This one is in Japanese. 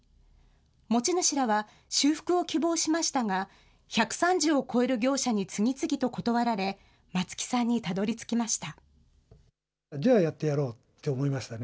持ち主らは修復を希望しましたが、１３０を超える業者に次々と断られ、松木さんにたどりつきました。